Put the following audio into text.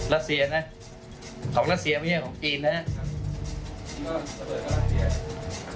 รัสเซียนะของรัสเซียไม่ใช่ของจีนนะครับ